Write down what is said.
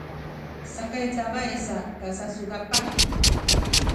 sakay cabay sa kasasukapah